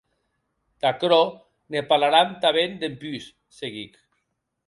D'aquerò ne parlaram tanben dempús, seguic.